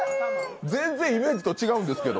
全然イメ−ジと違うんですけど。